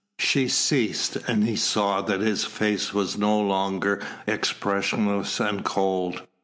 She ceased and she saw that his face was no longer expressionless and cold.